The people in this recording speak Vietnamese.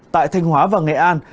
tại thanh hóa và nghệ an